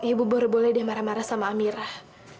ibu baru boleh dia marah marah sama amirah